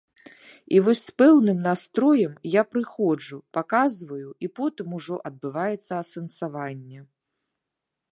І вось з пэўным настроем я прыходжу, паказваю, і потым ужо адбываецца асэнсаванне.